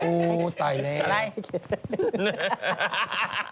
อู้ตายแล้ว